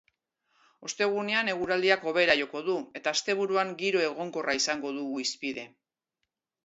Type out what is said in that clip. Ostegunean eguraldiak hobera joko du eta asteburuan giro egonkorra izango dugu hizpide.